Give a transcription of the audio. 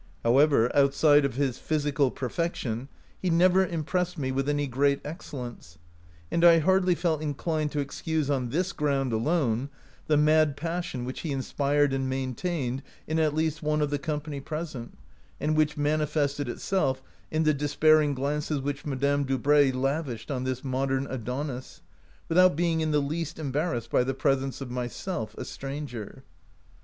However, outside of his physical perfection he never impressed me with any great excellence, and I hardly felt inclined to excuse, on this ground alone, the mad passion which he inspired and main tained in at least one of the company present, and which manifested itself in the despairing glances which Madame Dubray lavished on this modern Adonis, without being in the least embarrassed by the pres ence of myself, a stranger.